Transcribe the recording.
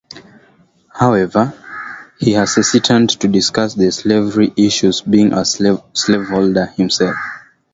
However, he was hesitant to discuss the slavery issue being a slaveholder himself.